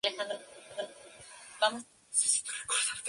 De modo que Vilcabamba significa "llanura sagrada".